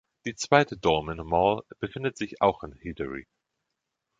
Die zweite Dolmen Mall befindet sich auch in Hyderi.